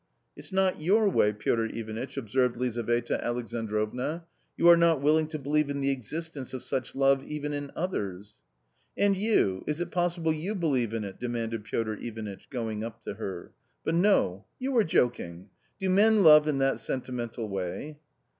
" It's not your way, Piotr Ivanitch " observed Lizaveta Alexandrovna ;" you are not willing to believe in the exist ence of such love even in others." " And you, is it possible you believe in it ?" demanded Piotr Ivanitch, going up to her ;" but no ! you are joking ! Do men love in that sentimental way